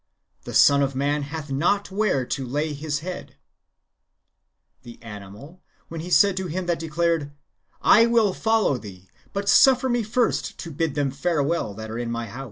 "' "The Son of man hath not where to lay His head;" — the animal, when He said to him that declared, " I will follow Thee, but suffer me first to bid them farewell that are in my house," " No man, put ^ Luke viii.